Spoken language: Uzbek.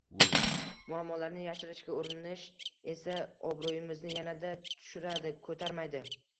Muammolarni yashirishga urinish esa obro‘yimizni yanada tushiradi, ko‘tarmaydi.